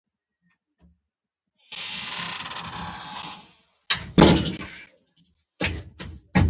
د کابل سیند د افغان ځوانانو د هیلو استازیتوب کوي.